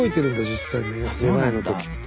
実際めまいの時って。